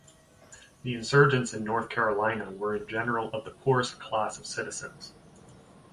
The insurgents in North Carolina were in general of the poorest class of citizens.